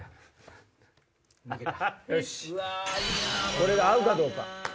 これで合うかどうか。